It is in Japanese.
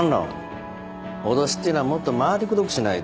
脅しっていうのはもっと回りくどくしないと。